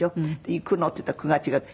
「行くの」って言ったら「“く”が違う」って。